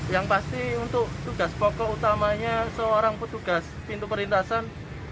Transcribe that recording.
yang pasti untuk tugas pokok utamanya seorang petugas pintu perlintasan